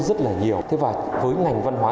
rất là nhiều thế và với ngành văn hóa